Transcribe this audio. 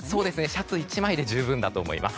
シャツ１枚で十分だと思います。